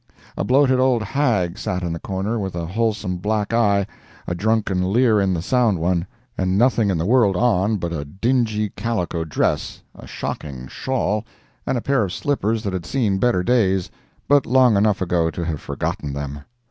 A bloated old hag sat in the corner, with a wholesome black eye, a drunken leer in the sound one, and nothing in the world on but a dingy calico dress, a shocking shawl, and a pair of slippers that had seen better days, but long enough ago to have forgotten them.